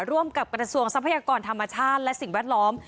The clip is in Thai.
ร่วมกับกระทรวงทรัพยากรธรรมชาติและสิ่งแวดล้อม